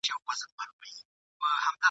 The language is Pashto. په لرگیو په چړو سره وهلي !.